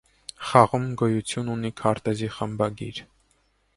Խաղում գոյություն ունի քարտեզի խմբագիր։